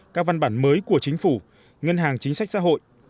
các văn bản mới của chính phủ ngân hàng chính sách xã hội